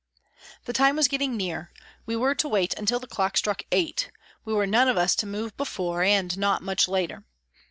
The time was getting near ; we were to wait until the clock struck 8 ; we were none of us to move before and not much later.